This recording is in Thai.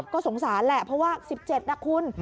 ก็สงสารแหละเพราะว่า๑๗นะคุณ